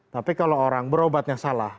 tapi kalau orang berobatnya salah